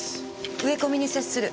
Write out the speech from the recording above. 植え込みに接する。